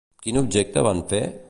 Quin objecte van fer?